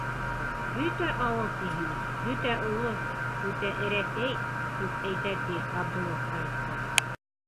— Бөтә ауыл тиһең, бөтә олоҫ, бөтә Эрәсәй, тип әйтә ти Абдулла староста.